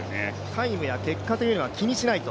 タイムや結果というのは気にしないと。